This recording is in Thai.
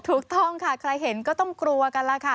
ถูกต้องค่ะใครเห็นก็ต้องกลัวกันแล้วค่ะ